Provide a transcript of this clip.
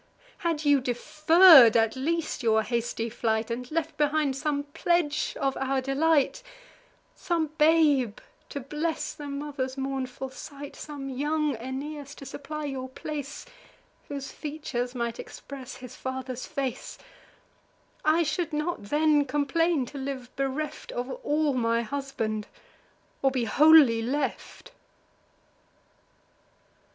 Had you deferr'd, at least, your hasty flight, And left behind some pledge of our delight, Some babe to bless the mother's mournful sight, Some young Aeneas, to supply your place, Whose features might express his father's face; I should not then complain to live bereft Of all my husband, or be wholly left."